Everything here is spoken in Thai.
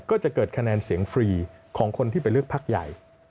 ก็จะเกิดคะแนนเสียงฟรีของคนที่ไปเลือกพักใหญ่